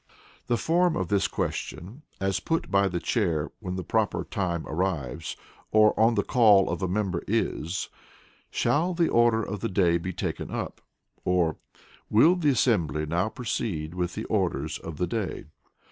The Form of this question, as put by the Chair when the proper time arrives, or on the call of a member, is, "Shall the Order of the Day be taken up?" or, "Will the assembly now proceed with the Orders of the Day?"